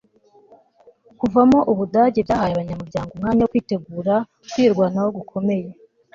kuvamo ubudage byahaye abanyamuryango umwanya wo gutegura kwirwanaho gukomeye